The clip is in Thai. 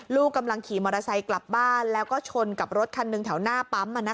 ลูกกำลังขี่มอเตอร์ไซค์กลับบ้านแล้วก็ชนกับรถคันหนึ่งแถวหน้าปั๊ม